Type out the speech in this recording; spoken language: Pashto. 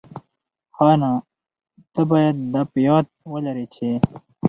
ښه، نو ته بايد دا په یاد ولري چي...